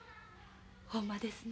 ほんまですな。